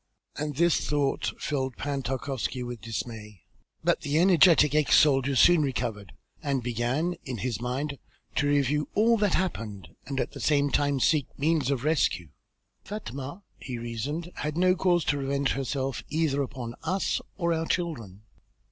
And this thought filled Pan Tarkowski with dismay, but the energetic ex soldier soon recovered and began in his mind to review all that happened and at the same time seek means of rescue. "Fatma," he reasoned, "had no cause to revenge herself either upon us or our children.